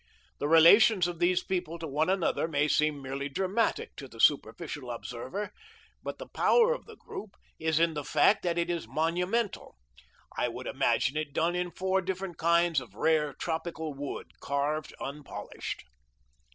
The relations of these people to one another may seem merely dramatic to the superficial observer, but the power of the group is in the fact that it is monumental. I could imagine it done in four different kinds of rare tropical wood, carved unpolished.